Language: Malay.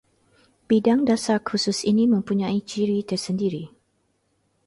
Bidang dasar khusus ini mempunyai ciri tersendiri